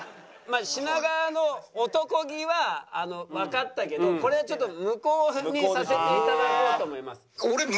品川の男気はわかったけどこれはちょっと無効にさせて頂こうと思います。